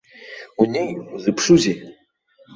Унеи, узыԥшузеи?